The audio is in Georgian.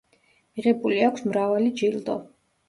მიღებული აქვს მრავალი ჯილდო.